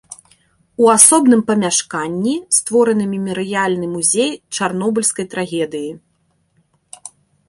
У асобным памяшканні створаны мемарыяльны музей чарнобыльскай трагедыі.